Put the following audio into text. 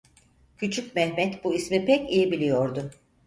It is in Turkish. Küçük Mehmet bu ismi pek iyi biliyordu.